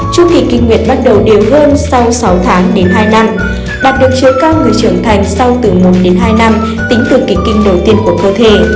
chu kỳ kinh nguyệt bắt đầu đều hơn sau sáu tháng đến hai năm đạt được chiều cao người trưởng thành sau từ một đến hai năm tính từ kịch kinh đầu tiên của cơ thể